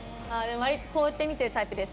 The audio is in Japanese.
割とこうやって見てるタイプです